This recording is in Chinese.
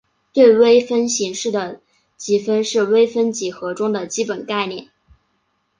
对微分形式的积分是微分几何中的基本概念。